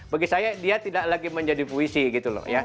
bagi saya dia tidak lagi menjadi puisi gitu loh ya